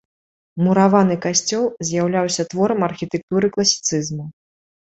Мураваны касцёл з'яўляўся творам архітэктуры класіцызму.